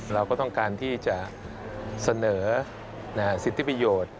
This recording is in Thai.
เราก็ต้องการที่จะเสนอสิทธิประโยชน์